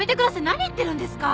何言ってるんですか！